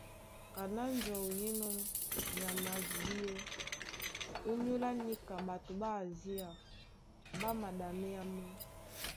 Kaná njɔu ní enɔ́ nyama a dibíɛ́, ónyólá níka ɓato ɓá Asia ɓá maɗaméá mɔ́.